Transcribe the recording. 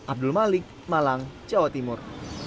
abdul malik malang jawa timur